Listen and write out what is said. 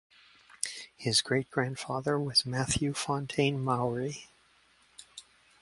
His great grandfather was Matthew Fontaine Maury.